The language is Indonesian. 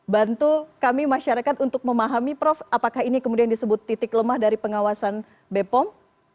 bantu kami masyarakat untuk memahami prof apakah ini kemudian disebut titik lemah dari pengawasan bepom